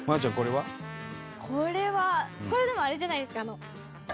これはこれでもあれじゃないですか？